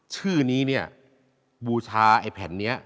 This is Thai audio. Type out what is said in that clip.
ชื่อนี้เนี่ย